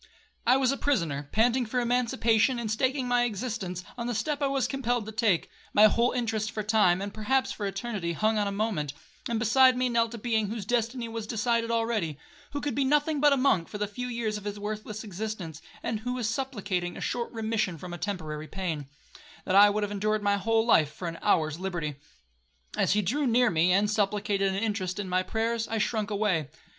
I was a prisoner, panting for emancipation, and staking my existence on the step I was compelled to take,—my whole interest for time, and perhaps for eternity, hung on a moment; and beside me knelt a being whose destiny was decided already, who could be nothing but a monk for the few years of his worthless existence, and who was supplicating a short remission from a temporary pain, that I would have endured my whole life for an hour's liberty. As he drew near me, and supplicated an interest in my prayers, I shrunk away.